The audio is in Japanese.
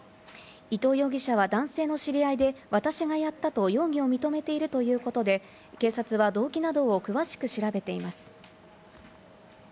伊藤容疑者は男性の知り合いで私がやったと容疑を認めているということで警察は動機などを詳しく調べています。